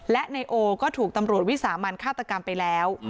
และนายโอก็ถูกตำรวจวิสามันฆาตกรรมไปแล้ว